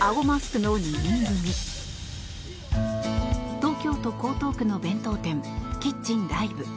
東京都江東区の弁当店キッチンＤＩＶＥ。